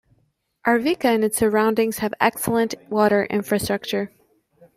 Arvika and its surroundings have excellent water infrastructure.